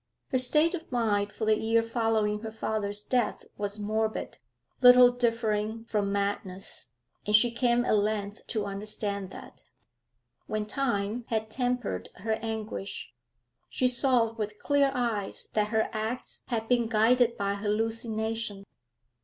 Her state of mind for the year following her father's death was morbid, little differing from madness; and she came at length to understand that. When time had tempered her anguish, she saw with clear eyes that her acts had been guided by hallucination.